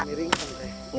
miring kan deh